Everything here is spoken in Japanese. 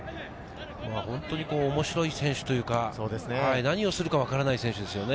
本当に面白い選手というか、何をするかわからない選手ですよね。